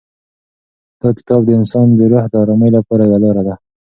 دا کتاب د انسان د روح د ارامۍ لپاره یوه لاره ده.